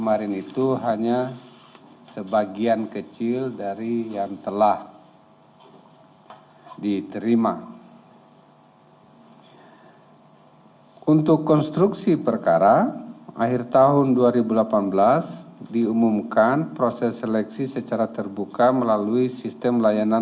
any asisten dari rmy